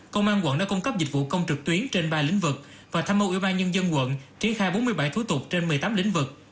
công an quận đã cung cấp dịch vụ công trực tuyến trên ba lĩnh vực và tham mưu ủy ban nhân dân quận triển khai bốn mươi bảy thủ tục trên một mươi tám lĩnh vực